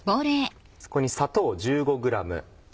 そこに砂糖１５ｇ。